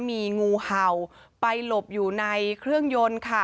มีงูเห่าไปหลบอยู่ในเครื่องยนต์ค่ะ